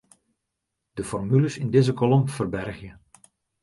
De formules yn dizze kolom ferbergje.